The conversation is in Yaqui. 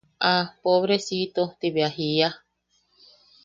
¡Ah! Pobrecito– ti bea jiia.